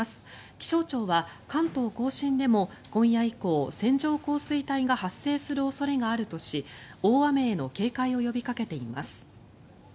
気象庁は関東・甲信でも今夜以降線状降水帯が発生する恐れがあるとし大雨への警戒を呼びかけています。